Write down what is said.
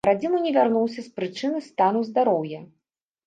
На радзіму не вярнуўся з прычыны стану здароўя.